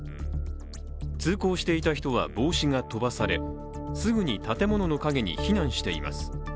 通行していた人は帽子が飛ばされ、すぐに建物の陰に避難しています。